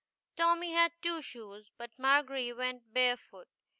Tommy had two shoes, but Margery went barefoot.